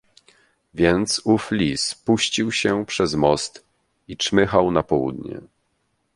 "Więc ów lis puścił się przez most i czmychał na południe."